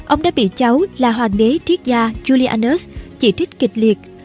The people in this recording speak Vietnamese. ông đã bị cháu là hoàng đế triết gia julianus chỉ trích kịch liệt